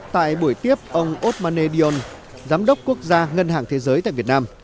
tại buổi tiếp ông osmane dion giám đốc quốc gia ngân hàng thế giới tại việt nam